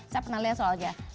saya pernah lihat soal jazz